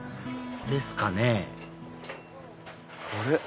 ですかねあれ？